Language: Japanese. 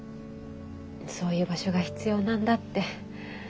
そういう場所が必要なんだって